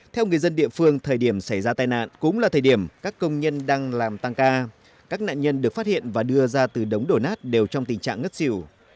theo người dân địa phương thời điểm xảy ra tai nạn cũng là thời điểm các công nhân đang làm tăng ca các nạn nhân được phát hiện và đưa ra từ đống đổ nát đều trong tình trạng ngất xỉu